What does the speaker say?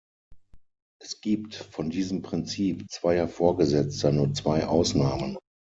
Es gibt von diesem Prinzip zweier Vorgesetzter nur zwei Ausnahmen.